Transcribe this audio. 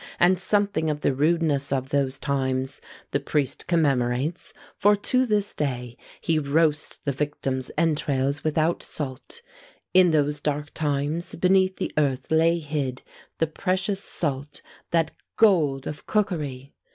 And something of the rudeness of those times The priest commemorates; for to this day He roasts the victim's entrails without salt. In those dark times, beneath the earth lay hid The precious salt, that gold of cookery!